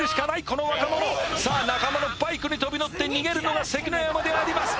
この若者さあ仲間のバイクに飛び乗って逃げるのが関の山であります